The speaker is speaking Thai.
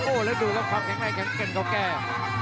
โอ้แล้วดูครับความแข็งแรงแข็งเกินเขาแก้